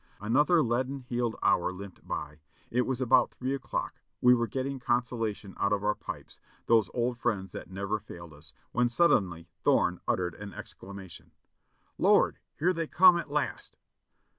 Another leaden heeled hour limped by. It was about three o'clock ; we were getting consolation out of our pipes, those old friends that never failed us, when suddenly Thorne uttered an ex clamation : "Lord ! here they come at last